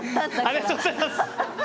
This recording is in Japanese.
ありがとうございます！